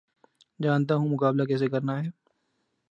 جانتا ہوں مقابلہ کیسے کرنا ہے